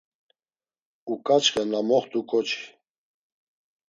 Uǩaçxe na moxt̆u ǩoçi.